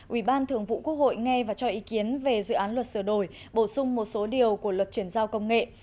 ubth nghe và cho ý kiến về dự án luật sửa đổi bổ sung một số điều của luật chuyển giao công nghệ